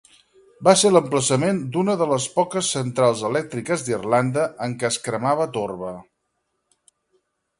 Va ser l'emplaçament d'una de les poques centrals elèctriques d'Irlanda en què es cremava torba.